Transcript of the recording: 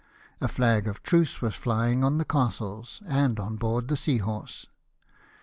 A flag of truce was flying on the castles, and on board the Seahorse.